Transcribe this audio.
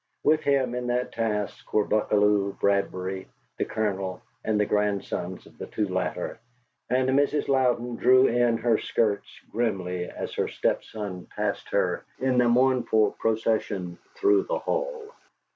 With him, in that task, were Buckalew, Bradbury, the Colonel, and the grandsons of the two latter, and Mrs. Louden drew in her skirts grimly as her step son passed her in the mournful procession through the hall.